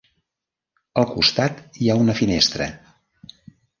Al costat hi ha una finestra.